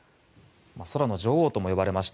空の女王とも呼ばれました